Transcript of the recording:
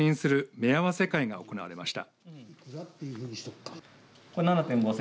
目合わせ会が行われました。